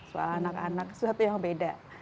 soal anak anak sesuatu yang beda